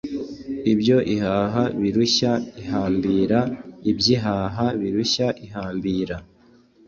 Ibyo ihaha birushya ihambira [Iby’ihaha birushya ihambira]